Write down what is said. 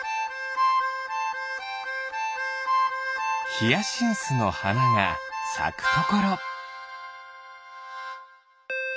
ヒヤシンスのはながさくところ。